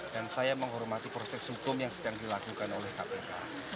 dan saya menghormati proses hukum yang sedang dilakukan oleh kpk